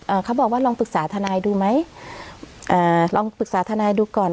เขาบอกว่าลองปรึกษาทนายดูไหมอ่าลองปรึกษาทนายดูก่อน